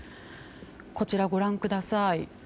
こちらをご覧ください。